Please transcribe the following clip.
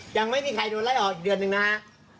ยังไม่มีใครโดนไล่ออกอีกเดือนหนึ่งนะฮะ